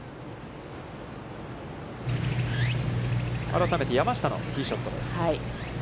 改めて山下のティーショットです。